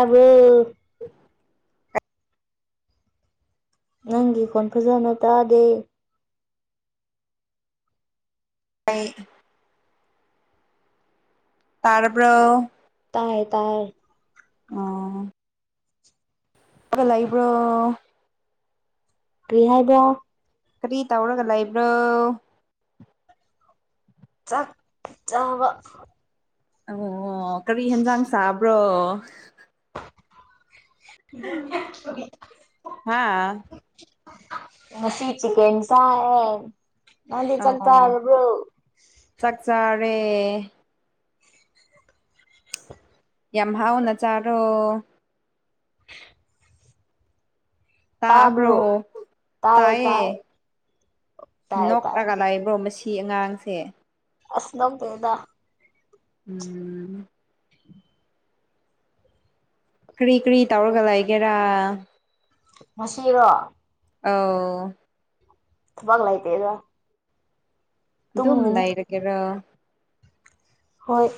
ꯑꯗꯨ ꯅꯪꯒꯤ ꯀꯣꯟ ꯐꯖꯅ ꯇꯥꯗꯦ ꯍ ꯇꯔꯕ꯭ꯔꯣ ꯇꯌꯦ ꯇꯌꯦ ꯑ ꯀ ꯂꯩ ꯂꯩꯕ꯭ꯔꯣ ꯀ ꯍꯥꯏꯕ꯭ꯔ ꯀꯔꯤ ꯇꯧꯔꯒ ꯂꯩ ꯏꯕ꯭ꯔꯣ ꯆꯥꯛꯆꯥꯥꯕ ꯑꯣ ꯀꯔꯤ ꯌꯦꯟꯖꯥꯡ ꯆꯥꯕ꯭ꯔꯣ ꯍꯥ [unintelligible] ꯉꯁꯤ ꯆ ꯀꯦꯟꯁ ꯅꯗꯤ ꯆꯛꯇ ꯑꯣ ꯇꯣ ꯇꯦ ꯌꯦꯦꯝꯍꯥꯎꯅ ꯆꯥꯔꯣ ꯇꯥꯕ꯭ꯔꯣ ꯇꯥꯏꯌꯦ ꯇꯌꯦ ꯇꯥꯏꯌꯦ ꯇꯥꯏꯌꯦ ꯇꯥꯏ ꯅꯣꯛꯂꯒ ꯂꯥꯛꯕ꯭ꯔꯣ ꯃꯁꯤ ꯑꯉꯥꯡꯁꯦ ꯑꯁꯅꯝ ꯄꯦꯗꯥ ꯎꯝ ꯀꯔꯤ ꯀꯔꯤ ꯇꯧꯔꯒ ꯂꯩꯒꯦꯔꯥ ꯃꯁꯤꯔꯣ ꯑꯎ ꯊꯕꯥꯛ ꯂꯥꯏꯇꯦ ꯗꯥꯥ ꯑꯗꯨꯝ ꯂꯥꯏꯔꯒꯦꯔꯣ ꯍꯣꯏ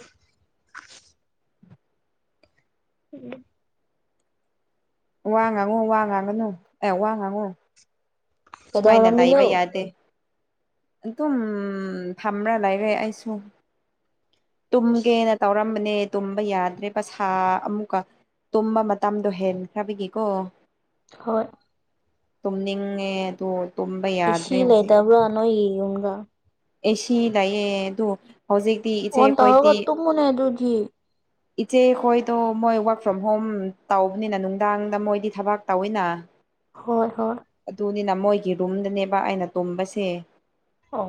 ꯎꯝ ꯋꯥ ꯉꯥꯡꯉꯨ ꯋꯥ ꯉꯥꯡꯒꯅꯨ ꯑꯦ ꯋꯥ ꯉꯥꯡꯉꯨ ꯁꯨꯃꯥꯏꯅ ꯀꯩꯗꯧꯔꯝꯃꯤꯅꯣ ꯂꯏꯕ ꯌꯥꯗꯦ ꯑꯗꯨꯝ ꯐꯝꯕ꯭ꯔꯥ ꯂꯩꯔꯦ ꯑꯩꯁꯨ ꯇꯨꯝꯒꯦꯅ ꯇꯧꯔꯝꯕꯅꯦ ꯇꯨꯝꯕ ꯌꯥꯗ꯭ꯔꯦ ꯄꯩꯁꯥ ꯑꯃꯨꯛꯀ ꯇꯨꯝꯕ ꯃꯇꯝꯗꯣ ꯍꯦꯟꯈ꯭ꯔꯕꯒꯤꯀꯣ ꯍꯣꯏ ꯇꯨꯝꯅꯤꯡꯉꯦ ꯑꯗꯨꯕꯨ ꯑꯦꯁꯤ ꯂꯩꯇꯕ꯭ꯔꯥ ꯅꯣꯏꯒꯤ ꯌꯨꯝꯔꯥ ꯑꯦꯁꯤ ꯂꯩꯌꯦ ꯑꯗꯨ ꯍꯧꯖꯤꯛꯇꯤ ꯏꯆꯦ ꯑꯣꯟ ꯇꯔꯒ ꯇꯨ ꯃꯨꯅꯦ ꯑꯗꯨꯙꯤ ꯏꯆꯦꯈꯣꯏꯗꯣ ꯃꯣꯏ ꯋꯔꯛ ꯐ꯭ꯔꯣꯝ ꯍꯣꯝ ꯇꯧꯕꯅꯤꯅ ꯅꯨꯡꯗꯥꯡꯗ ꯃꯣꯏꯗꯤ ꯊꯕꯥꯛ ꯇꯧꯋꯤꯅ ꯍꯣꯏ ꯍꯣꯏ ꯑꯗꯨꯅꯤꯅ ꯃꯣꯏꯒꯤ ꯔꯨꯝꯗꯅꯦꯕ ꯑꯩꯅ ꯇꯨꯝꯕꯁꯦ ꯑꯣ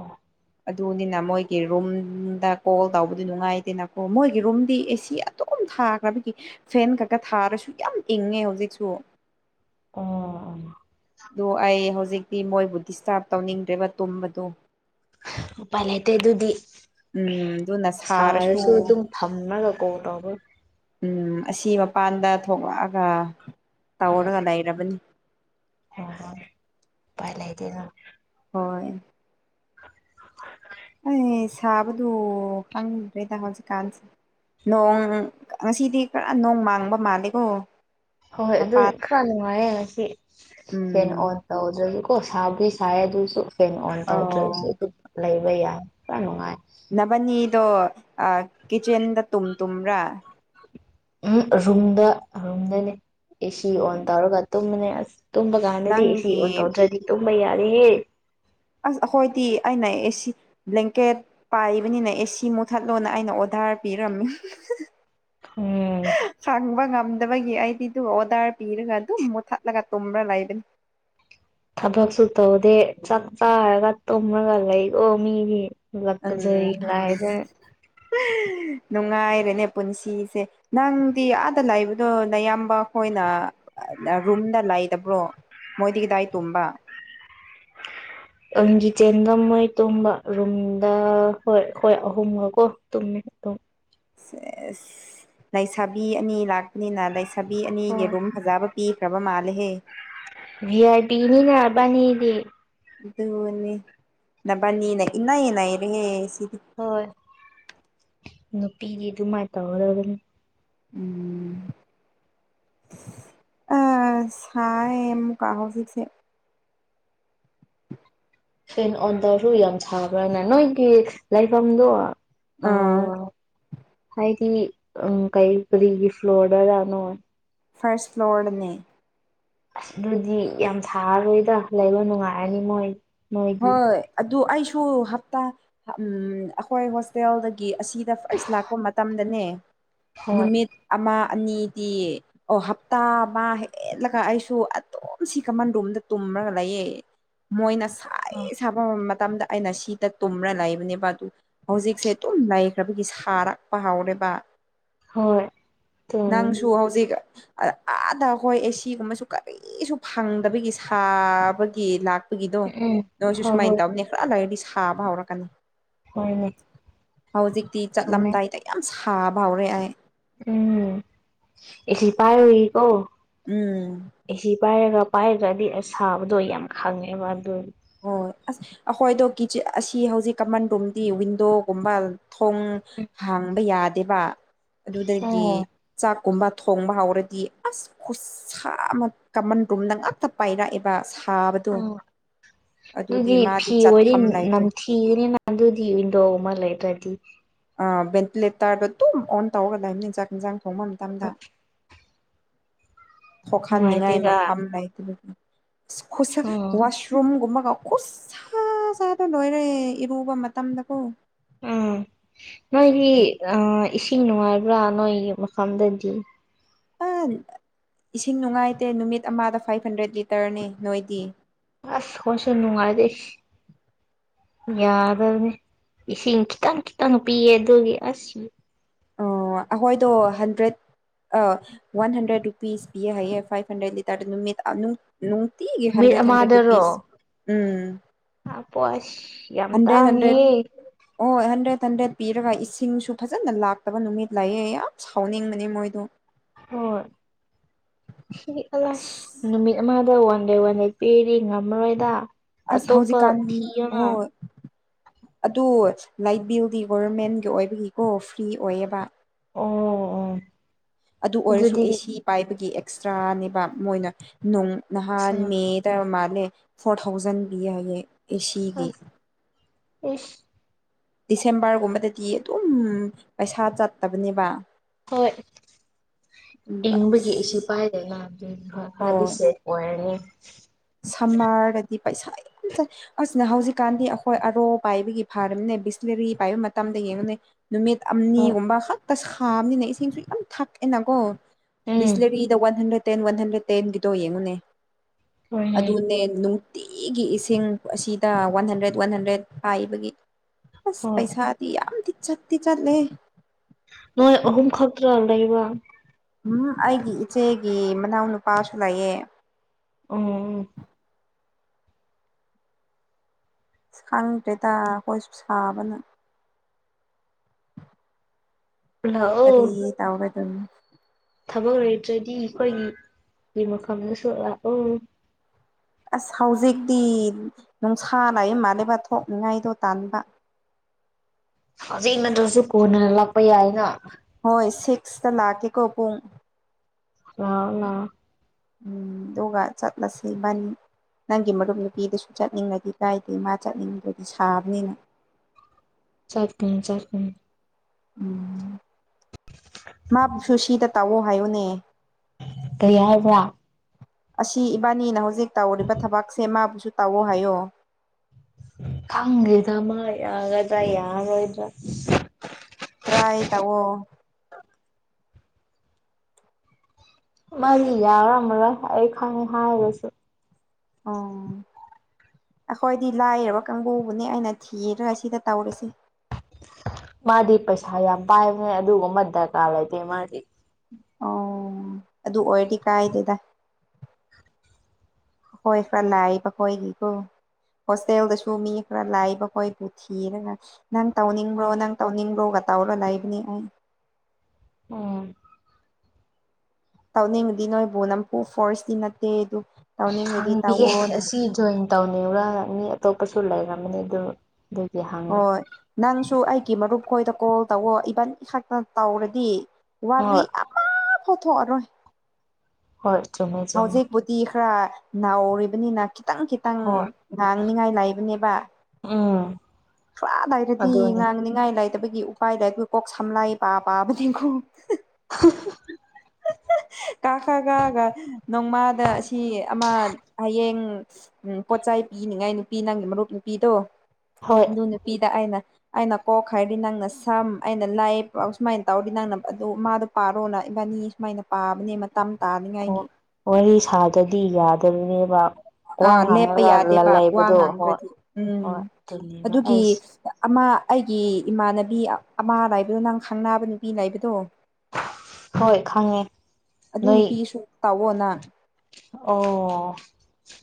ꯑꯗꯨꯅꯤꯅ ꯃꯣꯏꯒꯤ ꯔꯨꯝꯗ ꯀꯣꯜ ꯇꯧꯕꯗꯨ ꯅꯨꯡꯉꯥꯏꯗꯦꯅꯀꯣ ꯃꯣꯏꯒꯤ ꯔꯨꯝꯗꯤ ꯑꯦꯁꯤ ꯑꯗꯨꯝ ꯊꯥꯈ꯭ꯔꯕꯒꯤ ꯐꯦꯟ ꯈꯛꯀ ꯊꯥꯔꯁꯨ ꯌꯥꯝ ꯏꯪꯉꯦ ꯍꯧꯖꯤꯛꯁꯨ ꯑꯣ ꯑꯗꯨ ꯑꯩ ꯍꯧꯖꯤꯛꯇꯤ ꯃꯣꯏꯕꯨ ꯗꯤꯁꯇꯥꯔꯕ ꯇꯧꯅꯤꯡꯗ꯭ꯔꯦꯕ ꯇꯨꯝꯕꯗꯨꯣ ꯎꯄꯥꯏ ꯂꯩꯇꯦ ꯑꯗꯨꯗꯤ ꯎꯝ ꯑꯗꯨꯅ ꯁꯥꯔꯁꯨ ꯑꯗꯨꯝ ꯐꯝꯃꯒ ꯀꯣꯜ ꯇꯧꯕ ꯎꯝ ꯑꯁꯤ ꯃꯄꯥꯟꯗ ꯊꯣꯛꯂꯛꯑꯒ ꯇꯧꯔꯒ ꯂꯩꯔꯕꯅꯤ ꯍ ꯄꯥꯏꯂꯩꯇꯦꯗ ꯍꯣꯏ ꯑꯩ ꯁꯥꯕꯗꯨ ꯈꯪꯗ꯭ꯔꯦꯗ ꯍꯧꯖꯤꯛꯀꯥꯟꯁꯦ ꯅꯣꯡ ꯉꯁꯤꯗꯤ ꯀꯔ ꯅꯣꯡ ꯃꯥꯡꯕ ꯃꯥꯂꯦꯀꯣ ꯍꯣꯏ ꯍꯣꯏ ꯑꯗꯨ ꯈꯔ ꯅꯨꯡꯉꯥꯏꯔꯦ ꯉꯁꯤ ꯍꯦꯟꯅ ꯎꯝ ꯑꯣꯟ ꯇꯧ ꯑꯗꯨꯗꯒꯤ ꯀꯣ ꯁꯥꯕꯒꯤ ꯁꯥꯏ ꯑꯗꯨꯁꯨ ꯐꯦꯟ ꯑꯣꯟ ꯑꯣ ꯇꯧꯗ꯭ꯔꯁꯨ ꯑꯗꯨꯝ ꯂꯩꯕ ꯌꯥꯏ ꯄꯨꯔ ꯅꯨꯡꯉꯥꯏ ꯅꯚꯅꯤꯗꯣ ꯀꯤꯠꯆꯦꯟꯗ ꯇꯨꯝ ꯇꯨꯝꯕ꯭ꯔꯥ ꯎꯝ ꯔꯨꯝꯗ ꯔꯨꯝꯗꯅꯦ ꯑꯦꯁꯤ ꯑꯣꯟ ꯇꯧꯔꯒ ꯇꯨꯝꯕꯅꯦ ꯑꯁ ꯇꯨꯝꯕ ꯀꯥꯟꯗꯗꯤ ꯑꯦꯁꯤ ꯑꯣꯟ ꯅꯪꯒꯤ ꯇꯧꯗ꯭ꯔꯗꯤ ꯇꯨꯝꯕ ꯌꯥꯗꯦꯍꯦ ꯑꯁ ꯑꯩꯈꯣꯏꯗꯤ ꯑꯩꯅ ꯑꯦꯁꯤ ꯕ꯭ꯂꯦꯡꯀꯦꯠ ꯄꯥꯏꯕꯅꯤꯅ ꯑꯦꯁꯤ ꯃꯨꯠꯊꯠꯂꯣꯅ ꯑꯩꯅ ꯑꯣꯗꯔ ꯌꯥ ꯄꯤꯔꯝꯃꯤ ꯎꯝ ꯐꯪꯕ ꯉꯝꯗꯕꯒꯤ ꯑꯩꯗꯤꯗꯨ ꯑꯣꯗꯔ ꯄꯤꯔꯒ ꯑꯗꯨꯝ ꯃꯨꯠꯊꯠꯂꯒ ꯇꯨꯝꯕ꯭ꯔꯥ ꯂꯩꯕꯅꯤ ꯊꯕꯛ ꯁꯨ ꯇꯧꯗꯦ ꯆꯥꯛ ꯆꯥꯔꯒ ꯇꯨꯝꯂꯒ ꯂꯩꯀꯣ ꯃꯤꯗꯤ [unintelligible] ꯎꯝ ꯅꯨꯡꯉꯥꯏꯔꯦꯅꯦ ꯄꯨꯟꯁꯤꯁꯦ ꯅꯪꯗꯤ ꯑꯥꯗ ꯂꯥꯛꯏꯕꯗꯣ ꯅꯌꯥꯝꯕ ꯈꯣꯏꯅ ꯔꯨꯝꯗ ꯂꯩꯇꯕ꯭ꯔꯣ ꯃꯣꯏꯗꯤ ꯀꯥꯗꯥꯏ ꯇꯨꯝꯕ [inaudible] ꯀꯤꯆꯦꯟꯗ ꯃꯣꯏ ꯇꯨꯝꯕ ꯔꯨꯝꯗ ꯍꯣꯏ ꯑꯈꯣꯏ ꯑꯍꯨꯝꯒꯀꯣ ꯇꯨꯝꯃꯤ ꯑꯗꯨꯝ ꯂꯩꯁꯥꯕꯤ ꯑꯅꯤ ꯂꯥꯛꯄꯅꯤꯅ ꯂꯩꯁꯥꯕꯤ ꯑꯅꯤꯒꯤ ꯍꯣꯏ ꯑꯗꯨꯨꯝ ꯐꯖꯕ ꯄꯤ ꯀ꯭ꯔꯃ ꯃꯥꯂꯍꯦ ꯚ ꯑꯥꯏ ꯄꯤꯅꯤꯅꯕꯅꯤꯗꯤ ꯑꯗꯨꯅꯦ ꯅꯕꯅꯤꯅ ꯏꯅꯥ ꯌꯦꯅꯏ ꯔꯦꯁ ꯍꯣꯏ ꯅꯨꯄꯤꯗꯤ ꯑꯗꯨꯃꯥꯏꯅ ꯇꯧꯔꯒꯅꯤ ꯎꯝ ꯑ ꯁꯥꯏ ꯀꯥꯒ ꯐꯁꯦ ꯐꯦꯟ ꯑꯣꯟ ꯇꯧꯔꯁꯨ ꯌꯥꯝ ꯁꯥꯕ꯭ꯔꯅ ꯅꯣꯏꯒꯤ ꯂꯥꯏꯐꯝꯗꯨꯣ ꯑ ꯑꯣ ꯍꯥꯏꯗꯤ ꯎꯝ ꯀꯩ ꯀꯗꯤ ꯐ꯭ꯂꯣꯗꯔꯅꯦ ꯐꯥꯔꯁ ꯐ꯭ꯂꯣꯔꯅꯦ ꯑꯁ ꯑꯗꯨꯗꯤ ꯌꯥꯝ ꯁꯥꯔꯔꯣꯏꯗ ꯂꯩꯕ ꯅꯨꯡꯉꯥꯏꯔꯅꯤ ꯃꯣꯏ ꯃꯣꯏꯒꯤ ꯍꯣꯏ ꯑꯗꯨ ꯑꯗꯨ ꯑꯩꯁꯨ ꯍꯞꯇꯥ ꯑꯩꯈꯣꯏ ꯍꯣꯁꯇꯦꯜꯗꯒꯤ ꯑꯁꯤꯗ ꯐꯔꯁ ꯂꯥꯛꯄ ꯃꯇꯝꯗ ꯍꯣꯏ ꯅꯨꯃꯤꯠ ꯑꯃ ꯑꯅꯤꯗꯤ ꯑꯣ ꯍꯞꯇꯥ ꯑꯃ ꯍꯦꯜꯂꯒ ꯑꯩꯁꯨ ꯑꯗꯨꯝ ꯁꯤ ꯀꯃꯟ ꯔꯨꯝꯝꯗ ꯇꯨꯝ ꯒ ꯂꯩꯌꯦꯦ ꯃꯣꯏꯅ ꯁꯥꯏ ꯑ ꯁꯥꯐꯝ ꯃꯇꯝꯗ ꯑꯩꯅ ꯁꯤꯗ ꯇꯨꯝꯔ ꯂꯩꯕꯅꯦꯕ ꯑꯗꯨ ꯍꯧꯖꯤꯛꯁꯦ ꯇꯨꯝ ꯂꯩꯈ꯭ꯔꯕꯒꯤ ꯁꯥꯔꯛꯄ ꯍꯧꯥꯎꯔꯦ ꯍꯣꯏ ꯇꯨꯝ ꯅꯪꯁꯨ ꯍꯧꯖꯤꯛ ꯑꯥꯗ ꯑꯩꯈꯣꯏ ꯑꯦꯁꯤꯒꯨꯝꯕꯁꯨ ꯀꯔꯤꯁꯨ ꯐꯪꯗꯕꯒꯤ ꯁꯥꯕꯒꯤ ꯂꯥꯛ ꯄꯒꯤꯗꯣ ꯎꯝ ꯅꯣꯏꯁꯨ ꯍꯣꯏ ꯁꯨꯃꯥꯏꯅ ꯍꯣꯏ ꯇꯧꯕꯅꯦ ꯈꯔ ꯍꯜꯂꯒꯗꯤ ꯁꯥꯕ ꯍꯧꯔꯛꯀꯅꯤ ꯍꯣꯏꯅꯦ ꯍꯧꯖꯤꯛꯇꯤ ꯆꯨꯝꯃꯦ ꯆꯠꯂꯝꯗꯥꯏꯗ ꯌꯥꯝ ꯁꯥꯕ ꯍꯧꯔꯦꯑ ꯎꯝ ꯑꯦꯁꯤꯜ ꯄꯥꯏꯔꯋꯀꯣ ꯎꯝ ꯏ ꯄꯥꯏꯔꯒ ꯄꯥꯏꯗ꯭ꯔꯗꯤ ꯑ ꯁꯥꯕꯗꯣ ꯌꯥꯝ ꯈꯪꯉꯦꯕ ꯑꯗꯨ ꯍꯣꯏ ꯑꯁ ꯑꯩꯈꯣꯏꯗꯣꯆ ꯑꯁꯤ ꯍꯧꯖꯤꯛ ꯀꯃꯟ ꯔꯨꯝꯗꯤ ꯋꯤꯟꯗꯣꯒꯨꯝꯕ ꯊꯣꯡ ꯍꯥꯡꯕ ꯌꯥꯗꯦꯕ ꯑꯗꯨꯗꯒꯤ ꯑꯣ ꯆꯥꯛ ꯒꯨꯝꯕ ꯊꯣꯡꯕ ꯍꯧꯔꯗꯤ ꯑꯁ ꯈꯨꯠꯁꯥ ꯑꯃ ꯀꯃꯟ ꯔꯨꯝꯗ ꯉꯥꯛꯇ ꯄꯥꯏꯔꯛꯑꯦꯕ ꯊꯥꯕꯗꯣ ꯎꯝ ꯑꯗꯨꯗꯤ ꯐꯤ ꯑꯣꯏꯗꯤ ꯅꯝꯊꯤꯒꯅꯤꯅ ꯑꯗꯨꯗꯤ ꯏꯗꯣ ꯑꯃ ꯂꯩꯔ꯭ꯔꯗꯤ ꯚꯦꯟꯇꯤꯂꯦꯇꯔꯗꯣ ꯑꯗꯨꯝ ꯑꯣꯟ ꯇꯧꯒ ꯂꯕꯅꯤ ꯌꯦꯟꯖꯥꯛ ꯏꯟꯖꯥꯡ ꯊꯣꯡꯕ ꯃꯇꯝꯗ ꯊꯣꯛꯍꯟꯅꯤꯡꯉꯥꯏ ꯅꯨꯡꯉꯥꯏꯇꯦꯗ ꯃꯐꯝ ꯂꯩ ꯑꯗꯨ ꯎꯝ ꯋꯥꯁꯔꯨꯝꯒꯨꯝꯕ ꯈꯨꯠ ꯁꯥ ꯁꯥꯗꯣ ꯂꯣꯏꯔꯦ ꯏꯔꯨꯕ ꯃꯇꯝꯗꯀꯣ ꯅꯣꯏꯗꯤ ꯑ ꯏꯁꯤꯡ ꯅꯨꯡꯉꯥꯏꯕ꯭ꯔꯥ ꯅꯣꯏ ꯃꯐꯝꯗꯗꯤ ꯏꯁꯤꯡ ꯅꯨꯡꯉꯥꯏꯇꯦ ꯅꯨꯃꯤꯠ ꯑꯃꯗ ꯐꯥꯏꯚ ꯍꯟꯗ꯭ꯔꯦꯠ ꯂꯤꯇꯔꯅꯦ ꯅꯣꯏꯗꯤ ꯑꯁ ꯍꯣꯁ ꯅꯨꯡꯉꯥꯏꯗꯦ ꯌꯥꯗꯕꯅꯦ ꯏꯁꯤꯡ ꯈꯤꯇꯪ ꯈꯤꯇꯪ ꯄꯤꯌꯦ ꯑꯗꯨꯒꯤ ꯑꯁ ꯑꯣ ꯑꯩꯈꯣꯏꯗꯣ ꯍꯟꯗ꯭ꯔꯦꯠ ꯑ ꯋꯥꯟ ꯍꯟꯗ꯭ꯔꯦꯠ ꯔꯨꯄꯤꯁ ꯄꯤ ꯍꯥꯏꯌꯦ ꯐꯥꯏꯚ ꯍꯟꯗ꯭ꯔꯦꯠ ꯂꯤꯇꯔꯗ ꯅꯨꯃꯤꯠ ꯅꯅꯨꯡꯇꯤ ꯅꯨꯃꯤꯠ ꯍꯟ꯭ꯔꯦꯠ ꯍꯟ꯭ꯔꯦꯠ ꯔꯨꯄꯤꯁ ꯎꯝ ꯑ ꯄ ꯑꯁ ꯌꯥꯝ ꯇꯥꯡꯉ ꯑꯣꯣꯏ ꯍꯟꯗ꯭ꯔꯦꯗ ꯍꯟꯗ꯭ꯔꯦꯠ ꯄꯤꯔꯒ ꯏꯁꯤꯡꯁꯨ ꯐꯖꯅ ꯂꯥꯛꯇꯕ ꯅꯨꯃꯤꯠ ꯂꯥꯛꯑꯦ ꯌꯥꯝ ꯁꯥꯎꯅꯤꯡꯕꯅꯦ ꯃꯣꯏꯗꯣ ꯍ ꯁꯤ ꯅꯨꯃꯤꯠ ꯑꯃꯗ ꯋꯥꯟ ꯗꯦ ꯋꯥꯟ ꯗꯦ ꯄꯤꯔꯤ ꯀꯔꯤ ꯉꯝꯃꯔꯣꯏꯗ ꯑꯁ ꯑꯁ ꯑꯇꯣꯞꯄ ꯍꯧꯖꯤꯛꯀꯥꯟ ꯐꯤ ꯑꯃ ꯍꯣꯏ ꯑꯗꯨ ꯂꯥꯏꯠ ꯕꯤꯜꯒꯤ ꯒꯣꯚꯔꯃꯦꯟꯒꯤ ꯑꯣꯏꯕꯒꯤꯀꯣ ꯐ꯭ꯔꯤ ꯑꯣꯏꯌꯦꯕ ꯑꯣ ꯑꯣ ꯑꯗꯨ ꯑꯣꯏꯔꯁꯨ ꯑꯦꯁꯤ ꯄꯥꯏꯕꯒꯤ ꯑꯦꯛꯁꯇ꯭ꯔꯥꯅꯦꯕ ꯃꯣꯏꯅ ꯅꯣꯡ ꯅꯍꯥꯟ ꯑꯁ ꯃꯦꯗ ꯃꯥꯜꯂꯦ ꯐꯣꯔ ꯊꯥꯎꯖꯟ ꯄꯤꯏꯌꯦꯦ ꯑꯦꯒꯤ ꯑꯣꯐ ꯗꯤꯁꯦꯝꯕꯔꯒꯨꯝꯕꯗꯗꯤ ꯑꯗꯨꯝ ꯄꯩꯁꯥ ꯆꯠꯇꯕꯅꯦꯕ ꯍꯣꯏ ꯑꯗꯨꯒ ꯑꯁ ꯏꯪꯕꯒꯤ ꯏꯁꯨ ꯄꯥꯏꯗꯅ ꯈꯔ ꯈꯔꯗꯤꯁꯦꯠ ꯑꯣꯏꯔꯅꯤ ꯁꯝꯃꯥꯔꯗꯗꯤ ꯄꯩꯁꯥ ꯌꯥꯝ ꯆꯥꯏ ꯑꯁ ꯁꯤꯅ ꯍꯧꯖꯤꯛꯀꯥꯟꯗꯤ ꯑꯩꯈꯣꯏ ꯑꯔꯣ ꯄꯥꯏꯕꯒꯤ ꯐꯥꯝꯅꯦ ꯕꯤꯁꯂꯔꯤ ꯄꯥꯏꯕ ꯃꯇꯝꯗ ꯌꯦꯡꯉꯨꯅꯦ ꯅꯨꯃꯤꯠ ꯍꯣꯏ ꯑꯅꯤꯒꯨꯝꯕ ꯈꯛꯇ ꯁꯥꯕꯅꯤꯅ ꯏꯁꯤꯡꯁꯨ ꯌꯥꯝ ꯊꯛꯑꯦꯅꯀꯣ ꯎꯝ ꯕꯤꯁꯂꯔꯤꯗ one hundred ten one hundred ꯇꯦꯟꯒꯤꯗꯣ ꯌꯦꯡꯉꯨꯅꯦ ꯍꯣꯏꯅꯦ ꯑꯗꯨꯅꯦ ꯅꯨꯡꯇꯤꯒꯤ ꯏꯁꯤꯡ ꯑꯁꯤꯗ ꯋꯥꯟ ꯍꯟꯗ꯭ꯔꯦꯠ ꯋꯥꯟ ꯍꯟꯗ꯭ꯔꯦꯠ ꯄꯥꯏꯕꯒꯤ ꯑꯁ ꯍꯣꯏ ꯄꯩꯁꯥꯗꯤ ꯌꯥꯝꯗꯤ ꯆꯠ ꯇꯤ ꯆꯠꯂꯦ ꯇꯩꯕ ꯎꯝ ꯑꯩꯒꯤ ꯏꯆꯦꯒꯤ ꯃꯅꯥꯎ ꯅꯨꯨꯄꯥꯁꯨ ꯂꯩꯌꯦꯦ ꯎꯝ ꯎꯝ ꯈꯪꯗ꯭ꯔꯦꯗ ꯍꯣꯏꯁꯨ ꯁꯥꯕꯅ ꯂꯥꯛꯑꯣ ꯀꯔꯤ ꯇꯥꯎꯒꯦ ꯑꯗꯨꯝ ꯊꯕꯛ ꯂꯩꯇ꯭ꯔꯗꯤ ꯑꯩꯈꯣꯏꯒꯤ ꯃꯐꯝꯗꯁꯨ ꯂꯥꯛꯑꯣ ꯑꯁ ꯍꯧꯖꯤꯛꯇꯤ ꯅꯨꯡꯁꯥ ꯂꯩ ꯃꯥꯂꯕ ꯊ ꯊꯣꯛꯅꯤꯡꯉꯥꯏꯗꯣ ꯇꯥꯟꯕꯥꯟꯕ ꯍꯧꯖꯤꯛ ꯅꯠꯇ꯭ꯔꯁꯨ ꯀꯣꯟꯅꯅ ꯂꯥꯛꯄ ꯌꯥꯏꯅ ꯍꯣꯏ ꯁꯤꯛꯁꯇ ꯂꯥꯛꯀꯦꯀꯣ ꯄꯨꯡ ꯑꯥ ꯑ ꯎꯝ ꯑꯗꯨꯒ ꯆꯠꯂꯁꯤꯕꯥꯅꯤ ꯅꯪꯒꯤ ꯃꯔꯨꯞ ꯅꯨꯄꯤꯗꯁꯨ ꯆꯠꯅꯤꯡꯉꯗꯤ ꯀꯥꯏꯗꯦ ꯃꯥ ꯆꯠꯅꯤꯡꯕꯗꯗꯤ ꯁꯥꯕꯅꯤꯅ ꯆꯠꯀꯅꯤ ꯆꯠꯀꯅꯤ ꯎꯝ ꯃꯥ ꯁꯨꯁꯤꯗ ꯇꯥꯛꯑꯣ ꯍꯥꯏꯌꯨꯅꯦ ꯇꯩ ꯌꯥꯔ ꯁꯥ ꯑꯁꯤ ꯏꯕꯥꯅꯤꯅ ꯍꯧꯖꯤꯛ ꯇꯧꯔꯤꯕ ꯊꯕꯛꯁꯦ ꯃꯥꯕꯨꯁꯨ ꯇꯥꯎꯑꯣ ꯍꯥꯏꯌꯣ ꯍꯪꯗꯃ ꯌꯥꯒꯗ꯭ꯔꯥ ꯌꯥꯔꯣꯣꯏꯗ꯭ꯔꯥ ꯄꯨꯠꯇ꯭ꯔꯥ ꯍꯥꯏꯥꯏ ꯇꯋꯣ ꯃꯥꯗꯤ ꯌꯥꯔꯝꯃꯔꯣꯏ ꯑꯩ ꯈꯪꯉꯦ ꯍꯥꯏꯔꯁꯨ ꯑꯣ ꯑꯩꯈꯣꯏꯗꯤ ꯂꯥꯏꯔꯕ ꯀꯥꯡꯕꯨꯕꯨꯅꯦ ꯑꯩꯅ ꯊꯤꯔꯒ ꯁꯤꯗ ꯇꯧꯔꯤꯁꯦ ꯃꯥꯗꯤ ꯄꯩꯁꯥ ꯌꯥꯝ ꯄꯥꯏꯕꯅꯦ ꯑꯗꯨꯒꯨꯝꯕ ꯗꯔꯀꯥꯔ ꯂꯩꯇꯦ ꯃꯥꯗꯤ ꯑꯣ ꯑꯗꯨ ꯑꯣꯏꯔꯗꯤ ꯀꯥꯏꯗꯦꯗ ꯑꯈꯣꯏ ꯈꯔ ꯂꯥꯏꯕ ꯈꯣꯏꯒꯤꯀꯣ ꯍꯣꯁꯇꯦꯜꯗꯁꯨ ꯃꯤ ꯈꯔ ꯂꯥꯏꯕ ꯈꯣꯏꯕꯨ ꯊꯤꯔꯒ ꯅꯪ ꯇꯧꯅꯤꯡꯕ꯭ꯔꯣ ꯅꯪ ꯇꯧꯅꯤꯡꯕ꯭ꯔꯣꯒ ꯇꯥꯎꯔ ꯂꯩꯕꯅꯤ ꯎꯝ ꯑꯣ ꯇꯧꯅꯤꯡꯉꯗꯤ ꯅ‌ꯣꯏꯕꯣ ꯅꯝꯄꯨ ꯐꯣꯔꯁ ꯇꯤ‌ ꯅꯠꯇꯦ ꯑꯗꯨ ꯇꯧꯅꯤꯡꯔꯗꯤ ꯍꯥꯡꯈꯤꯒ‌ꯦ ꯇꯧꯑꯣꯅ ꯑꯁꯤ ꯖꯣꯏꯟ ꯇꯧꯅꯤꯡꯕꯔ ꯃꯤ ꯑꯇꯣꯞꯄꯁꯨ ꯂꯩꯔꯝꯃꯅꯤ ꯑꯗꯨ ꯑꯗꯨꯒꯤ ꯍꯪꯒꯦ ꯍꯣꯏ ꯅꯪꯁꯨ ꯑꯩꯒꯤ ꯃꯔꯨꯞ ꯈꯣꯏꯗ ꯀꯣꯜ ꯇꯧꯋ‌ꯣ ꯏꯕꯥꯅꯤꯈꯛꯇ ꯇꯧꯔꯗꯤ ꯋꯥꯔꯤ ꯍꯣꯏ ꯑꯃ ꯐꯥꯎ ꯊ‌ꯣꯛꯑꯔꯣꯏ ꯍꯣꯏ ꯆꯨꯝꯃꯦ ꯆꯨꯝꯃꯦ ꯍꯧꯖꯤꯛꯄꯨꯗꯤ ꯈꯔ ꯅꯧꯔꯤꯕꯅꯤꯅ ꯈꯤꯇꯪ ꯈꯤꯇꯪ ꯍꯣꯏ ꯉꯥꯡ ꯍꯪꯅꯤꯡꯉꯥꯏ ꯂꯩꯥꯕꯅꯦꯕ ꯎꯝ ꯁ꯭ꯋꯥꯗꯥꯏꯔꯗꯤ ꯑꯗꯨꯅꯤ ꯉꯥꯡꯅꯤꯡꯉꯥꯏ ꯂꯩꯥꯏ ꯇꯕꯒꯤ ꯎꯄꯥꯏ ꯂꯩꯕꯩ ꯀꯣꯛ ꯁꯝꯂꯥꯏ ꯄꯥ ꯄꯥꯕꯅꯤꯀ‌ꯣ [unintelligible] ꯀꯥꯈ ꯀꯥꯒ ꯅꯣꯡꯃꯥꯗ ꯑꯁꯤ ꯑꯃ ꯍꯌꯦꯡ ꯎꯝ ꯄꯣꯠꯆꯩ ꯄꯤꯅꯤꯡꯉꯥꯏ ꯅꯨꯄꯤ ꯅꯪꯒꯤ ꯃꯔꯨꯞ ꯅꯨꯄꯤꯗꯣ ꯍꯣꯏ ꯑꯗꯨ ꯅꯨꯄꯤꯗ ꯑꯩꯅ ꯑꯩꯅ ꯀꯣꯛ ꯍꯥꯏꯗꯤ ꯅꯪꯅ ꯁꯝ ꯑꯩꯅ ꯂꯥꯏꯞ ꯁꯨꯃꯥꯏꯅ ꯇꯧꯔꯗꯤ ꯅꯪꯅ ꯑꯗꯨ ꯃꯥꯗꯣ ꯄꯥꯔꯣꯅ ꯏꯕꯥꯅꯤ ꯁꯨꯃꯥꯏꯅ ꯄꯥꯕꯅꯦ ꯃ ꯑꯣ ꯋꯥꯔꯤ ꯁꯥꯗꯔꯗꯤ ꯌꯥꯗꯕꯅꯦꯕ ꯑ ꯋꯥ ꯂꯦꯞꯄ ꯉꯥꯡꯉꯒ ꯌꯥꯗꯦꯕ ꯋꯥ ꯂꯩꯕꯗꯣ ꯍꯣꯏ ꯉꯥꯡꯗ꯭ꯔꯗꯤ ꯎꯝ ꯍꯣꯏ ꯑꯗꯨꯅꯦꯕ ꯑꯗꯨꯒꯤ ꯑꯩꯁ ꯑꯃ ꯑꯩꯒꯤ ꯏꯃꯥꯟꯅꯕꯤ ꯑꯃ ꯂꯩꯕꯗꯣ ꯅꯪ ꯈꯪꯅꯕ ꯅꯨꯄꯤ ꯂꯩꯕꯗꯣ ꯍꯣꯏ ꯈꯪꯉꯦ ꯑꯗꯨ ꯅꯣꯏ ꯅꯨꯄꯤꯁꯨ ꯇꯧꯑꯣ ꯅꯪ ꯑꯣ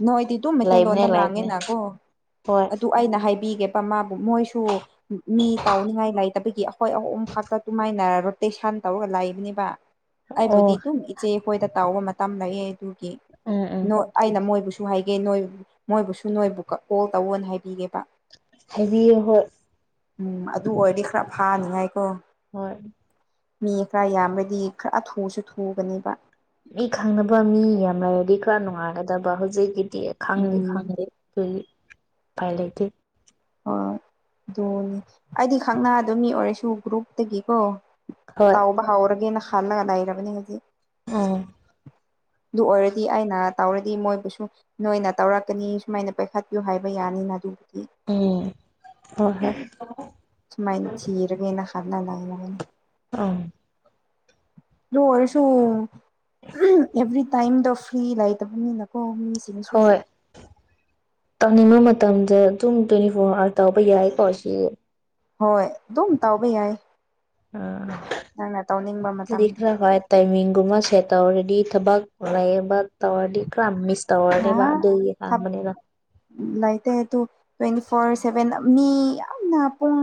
ꯅꯣꯏꯗꯤ ꯑꯗꯨꯝ ꯃꯩꯇꯩꯂꯣꯟꯗ ꯂꯩꯕꯅꯦ ꯂꯩꯕꯅꯦ ꯉꯥꯡꯉꯤꯅꯀꯣ ꯍꯣꯏ ꯑꯗꯨ ꯑꯩꯅ ꯍꯥꯏ ꯄꯤꯒꯦꯕ ꯃꯥꯕꯨ ꯃꯣꯏꯁꯨ ꯃꯤ ꯇꯧꯅꯤꯡꯉꯥꯏ ꯂꯩꯇꯕꯒꯤ ꯑꯩꯈꯣꯏ ꯑꯍꯨꯝ ꯈꯛꯇ ꯇꯨꯃꯥꯏꯅꯔ ꯇꯩꯁꯟ ꯇꯧꯔꯒ ꯂꯩꯕꯅꯤꯕ ꯑꯩꯕꯨꯗꯤ ꯑꯣ ꯑꯗꯨꯝ ꯏꯆꯦ ꯑꯩꯈꯣꯏꯗ ꯇꯥꯎꯕ ꯃꯇꯝ ꯂꯩꯌꯦ ꯑꯗꯨꯒꯤ ꯎꯝ ꯎꯝ ꯅ‌ꯣꯏ ꯑꯩꯅ ꯃꯣꯏ ꯕꯨꯁꯨ ꯍꯥꯏꯒꯦ ꯅꯣꯏ ꯃꯣꯏꯕꯨꯁꯨ ꯅꯣꯏꯕꯨ ꯀꯣꯜ ꯇꯧꯋ‌ꯣꯅ ꯍꯥꯏꯕꯤꯒꯦꯕ ꯍꯥꯏꯕꯤꯌꯨ ꯍꯣꯏ ꯎꯝ ꯑꯗꯨ ꯑꯣꯏꯔꯗꯤ ꯈꯔ ꯐꯥꯅꯤꯉꯥꯏꯀꯣ ꯍꯣꯏ ꯃꯤ ꯈꯔ ꯌꯥꯝꯕꯗꯤ ꯈꯔ ꯑꯊꯨꯁꯨ ꯊꯨꯒꯅꯦꯕ ꯃꯤ ꯈꯪꯅꯕ ꯃꯤ ꯌꯥꯝ ꯂꯩꯔꯗꯤ ꯈꯔ ꯅꯨꯡꯉꯥꯏꯔꯗꯕ ꯍꯧꯖꯤꯛꯀꯤ ꯈꯪꯗꯦ ꯎꯝ ꯈꯪꯗꯦ ꯑꯗꯨꯒꯤ ꯎꯄꯥꯏ ꯂꯩꯇꯦ ꯑꯗꯨꯅꯦ ꯑꯩꯗꯤ ꯈꯪꯅ ꯑꯗꯨꯅꯤ ꯑꯣꯏꯔꯁꯨ ꯒ꯭ꯔꯨꯞꯇꯒꯤꯀꯣ ꯍꯣꯏ ꯇꯥꯎꯕ ꯍꯥꯎꯔꯒꯦꯅ ꯈꯜꯂꯒ ꯂꯩꯔꯕꯅꯤ ꯍꯧꯖꯤꯛ ꯑꯥ [unintelligible] ꯑꯗꯨ ꯑꯣꯏꯔꯗꯤ ꯑꯩꯅ ꯇꯧꯔꯗꯤ ꯃꯣꯏꯕꯨꯁꯨ ꯅꯣꯏꯅ ꯇꯧꯔꯛꯀꯅꯤ ꯁꯨꯃꯥꯏꯅ ꯄꯥꯏꯈꯠꯄꯤꯌꯨ ꯍꯥꯏꯕ ꯌꯥꯅꯤꯅ ꯑꯗꯨ ꯎꯝ ꯍ ꯍꯣꯏ ꯁꯃꯥꯏꯅ ꯊꯤꯔꯒꯅꯥ ꯈꯥꯂꯥꯗꯥꯅ ꯀꯅꯤ ꯑꯥ ꯑꯗꯨ ꯑꯣꯏꯔꯁꯨ ꯑꯦꯚ꯭ꯔꯤ ꯇꯥꯏꯝꯗꯣ ꯐ꯭ꯔꯤ ꯂꯩꯇꯕꯅꯤꯅꯀꯣ ꯃꯤ ꯁꯤꯁꯤꯅꯁꯨ ꯑꯅꯤꯡꯕ ꯃꯇꯝꯗ ꯑꯗꯨꯝ ꯇ꯭ꯋꯦꯟꯇꯤ ꯐꯣꯔ ꯑꯋꯥꯔ ꯇꯧꯕ ꯌꯥꯏꯀꯣ ꯁꯤ ꯍꯣꯏ ꯑꯗꯨꯝ ꯇꯥꯎꯕ ꯌꯥꯏ ꯅꯪꯅ ꯇꯧꯅꯤꯡꯕ ꯃꯇꯝꯗ ꯑꯈꯔꯥ ꯍ ꯇꯥꯏꯃꯤꯡ ꯒꯨꯝꯕ ꯁꯦꯠꯇ ꯑꯣꯏꯔꯗꯤ ꯊꯕꯛ ꯂꯩꯕ ꯇꯋꯥꯔꯗꯤ ꯀ꯭ꯔꯥꯝꯃꯤꯁ ꯇꯧꯔꯅꯦꯕ ꯗ ꯈꯥꯡꯕꯅꯦꯕ ꯎ ꯂꯩꯇꯦ ꯑꯗꯨ ꯇ꯭ꯋꯦꯟꯇꯤ ꯐꯣꯔ ꯁꯚꯦꯟ ꯃꯤ ꯌꯥꯝꯅ ꯄꯨꯡ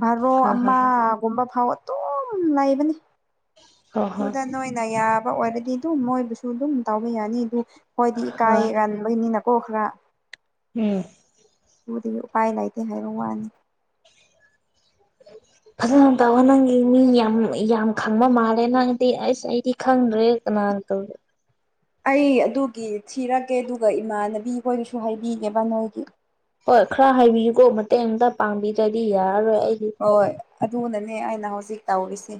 ꯚꯕꯥꯔꯣ ꯍꯣꯏ ꯍꯣꯏ ꯑꯃꯒꯨꯝꯕ ꯐꯥꯎ ꯑꯗꯨꯝ ꯂꯩꯕꯅꯤ ꯍꯣꯏ ꯍꯣꯏ ꯑꯗꯨꯗ ꯅꯣꯏꯅ ꯌꯥꯕ ꯑꯣꯏꯔꯗꯤ ꯑꯗꯨꯝ ꯃꯣꯏꯕꯨꯁꯨ ꯑꯗꯨꯝ ꯇꯧ ꯌꯥꯅꯤ ꯑꯗꯨ ꯍꯣꯏꯗꯤ ꯍꯣꯏ ꯏꯀꯥꯏꯒꯟꯕꯩꯅꯤꯅꯀꯣ ꯈꯔ ꯎꯝ ꯑꯗꯨꯗꯒꯤ ꯎꯄꯥꯏ ꯂꯩꯇꯦ ꯍꯥꯏꯕ ꯋꯥꯅꯤ [inaudible] ꯐꯖꯅ ꯇꯧꯋ ꯅꯪꯒꯤ ꯃꯤ ꯌꯥꯝ ꯌꯥꯝ ꯈꯪꯕ ꯃꯥꯜꯂꯦ ꯅꯪꯗꯤ ꯑꯩꯁ ꯑꯩꯗꯤ ꯈꯪꯗ꯭ꯔꯦ ꯀꯅꯣ ꯉ ꯀꯜꯒ ꯑꯩ ꯑꯗꯨꯒꯤ ꯊꯤꯔꯛꯒꯦ ꯑꯗꯨꯒ ꯏꯃꯥꯟꯅꯕꯤꯈꯣꯏꯗꯁꯨ ꯍꯥꯏꯕꯤꯒꯦꯕ ꯅꯣꯏꯒꯤ ꯍꯣꯏ ꯈꯔ ꯍꯥꯏꯕꯤꯌꯨꯀꯣ ꯃꯇꯦꯡꯇ ꯄꯥꯡꯕꯤꯗ꯭ꯔꯗꯤ ꯌꯥꯔꯔꯣꯏ ꯑꯩꯗꯤ ꯍꯣꯏ ꯑꯗꯨꯅꯅꯦ ꯑꯩꯅ ꯍꯧꯖꯤꯛ ꯇꯧꯔꯤꯁꯦ